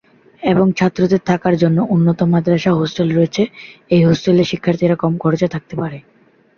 এবং ছাত্রদের থাকার জন্য উন্নত মাদ্রাসা হোস্টেল রয়েছে, এই হোস্টেলে শিক্ষার্থীরা কম খরচে থাকতে পারে।